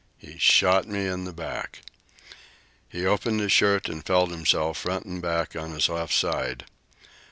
He shot me in the back!" He opened his shirt and felt himself, front and back, on his left side.